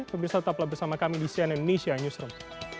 pemirsa tetaplah bersama kami di cnn indonesia newsroom